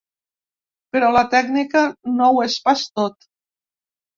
Però la tècnica no ho és pas tot.